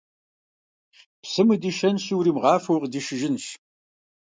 Псым удишэнщи, уримыгъафэу укъыдишыжынщ.